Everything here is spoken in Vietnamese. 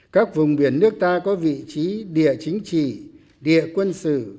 các vùng biển nước ta có vị trí địa chính trị địa quân sự